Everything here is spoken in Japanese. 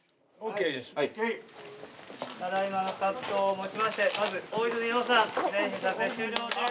ただいまのカットをもちましてまず大泉洋さん、全撮影終了です。